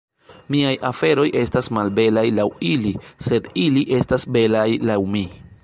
"Miaj aferoj estas malbelaj laŭ ili, sed ili estas belaj laŭ mi."